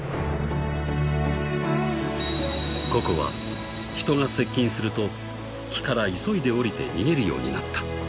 ［ココは人が接近すると木から急いで下りて逃げるようになった］